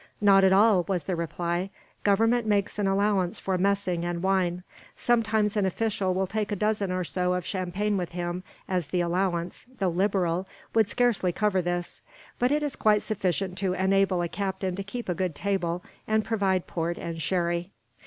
"Not at all," was the reply; "Government makes an allowance for messing and wine. Sometimes an official will take a dozen or so of champagne with him, as the allowance, though liberal, would scarcely cover this; but it is quite sufficient to enable a captain to keep a good table, and provide port and sherry."